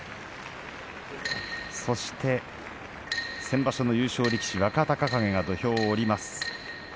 そして先場所の優勝力士若隆景が土俵を下ります。